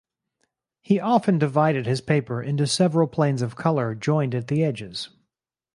He often divided his paper into several planes of color joined at the edges.